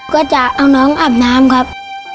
ก็จะเอาน้องอาบน้ำครับ